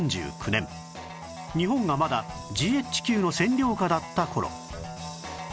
日本がまだ ＧＨＱ の占領下だった頃